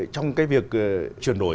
trong cái việc chuyển đổi